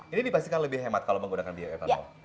jadi dipastikan lebih hemat kalau menggunakan bioetanol